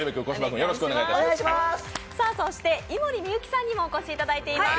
そして、井森美幸さんにもお越しいただいています。